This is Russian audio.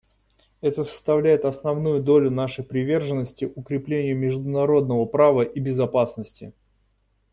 Это составляет основную долю нашей приверженности укреплению международного права и безопасности.